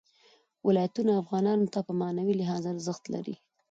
ولایتونه افغانانو ته په معنوي لحاظ ارزښت لري.